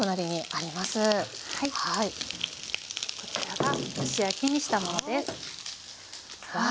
こちらが蒸し焼きにしたものです。わ！